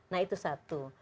nah itu satu